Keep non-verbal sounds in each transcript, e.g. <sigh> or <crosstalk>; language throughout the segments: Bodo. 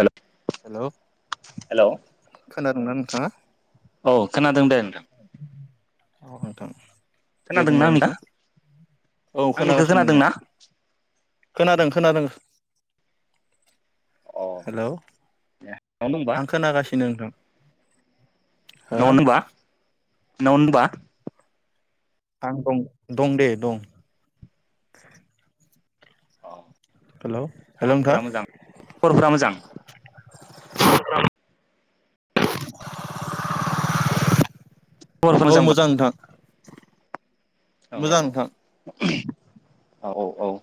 हेल' हेल' खोन नंनानै नथाङा औ खोनादों दे नोंथां औ औथां दे खोनादोंना बुंलाय आंनिखो नोंथां औ आंनिखौ खोनागासिनो खोनादों ना? नोंथां खोनादों खोनादों हेलौ न'आवनो दंबा? आं खोनागासिनो नोंथां हो न'आवनो होनबा न'आव नो होनबा आं दं दं दे दं औ हेलौ हेलौ नोंथां खबरफोरा मोजां खबरफोरा मोजां खबरफोरा औ मोजांबा? मोजां नोंथां औ मोजां नोंथां औ औ औ <unintelligible>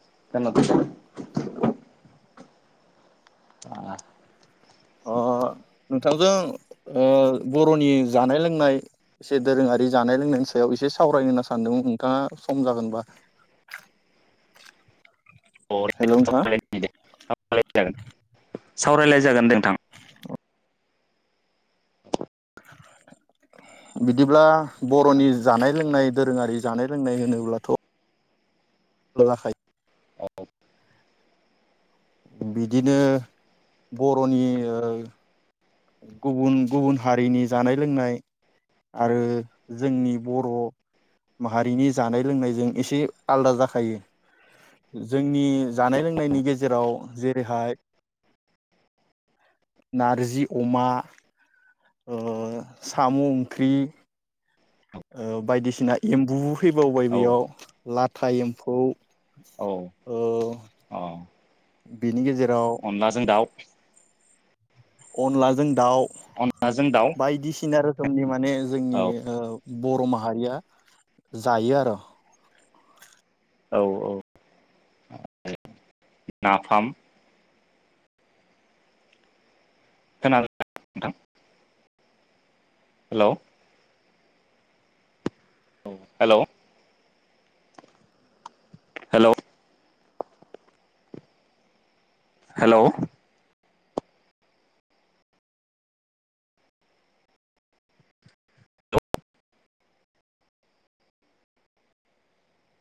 आ <unintelligible> अ नोंथांजों ओ बर'नि जानाय लोंनाय एसे दोरोङारि जानाय लोंनायनि सायाव एसे सावरायनो होनना सानदों नोंथाङा सम जागोनबा। हेलौ नोंथां। <unintelligible> सावराय लायजागोन दे नोंथां। बिदिब्ला बर'नि जानाय लोंनाय दोरोङारि जानाय लोंनाय होनोब्लाथ' <unintelligible> औ बिदिनो बर'नि ओ गुबुन गुबुन हारिनि जानाय लोंनाय आरो जोंनि बर' माहारिनि जानाय लोंनायजों एसे आलादा जाखायो जोंनि जानाय लोंनायनि गेजेराव जेरैहाय नारजि अमा ओ साम' ओंख्रि। ओ बायदिसिना एम्बु फैबावबाय औ बेयाव ला टाइमखौ औ औ बेनि <unintelligible> अनलाजों दाउ। अनलाजों दाउ अनलाजों दाउ बायदिसिना रोखोमनि माने औ जोंनि ओ बर' माहारिया जायो आरो। औ औ नाफाम खोनादोंना नोंथां? हेलौ औ हेलौ हेलौ। हेलौ।